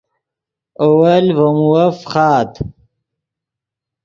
اول ڤے مووف فخآت